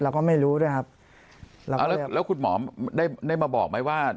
เราก็ไม่รู้ด้วยครับแล้วแล้วคุณหมอได้ได้มาบอกไหมว่า